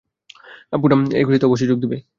পুনাম এই খুশিতে অবশ্যই যোগ দিবে।